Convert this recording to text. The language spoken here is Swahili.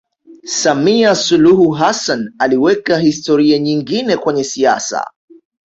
samia suluhu hassan aliweka historia nyingine kwenye siasa